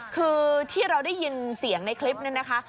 คือที่เราได้ยินเสียงในคลิปนี้นะคะ